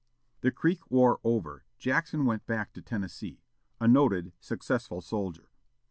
The Creek war over, Jackson went back to Tennessee, a noted, successful soldier.